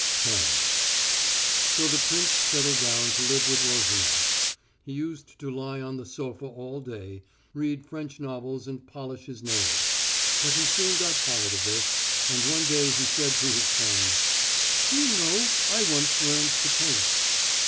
X So the prince settled down to live with Rozanof. He used to lie on the sofa all day, read French novels and polish his nails. But he soon got tired of this, and one day he said to his friend: "Do you know, I once learnt to paint!"